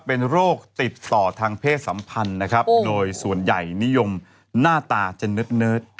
เป็นโรคติดต่อทางเพศสัมพันธ์นะครับโดยส่วนใหญ่นิยมหน้าตาจะเนิด